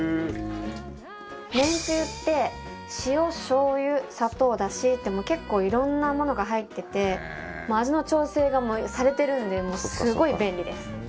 めんつゆって塩しょう油砂糖ダシって結構いろんなものが入ってて味の調整がされてるんですごい便利です。